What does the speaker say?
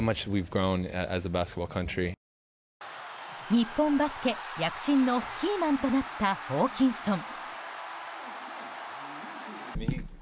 日本バスケ躍進のキーマンとなったホーキンソン。